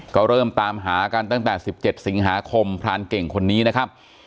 ก็เริ่มตามหากันตั้งแต่๑๗สิงหาคมพรานเก่งคนนี้นะครับ